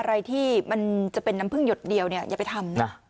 อะไรที่มันจะเป็นน้ำพึ่งหยดเดียวเนี่ยอย่าไปทำนะ